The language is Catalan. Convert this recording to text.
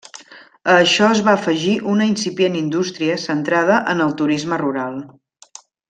A això es va afegir una incipient indústria centrada en el turisme rural.